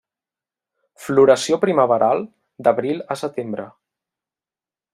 Floració primaveral, d'abril a setembre.